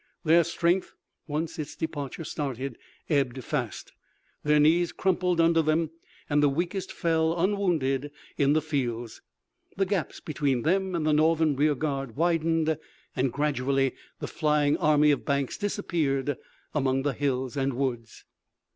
Their strength, once its departure started, ebbed fast. Their knees crumpled under them and the weakest fell unwounded in the fields. The gaps between them and the Northern rear guard widened, and gradually the flying army of Banks disappeared among the hills and woods.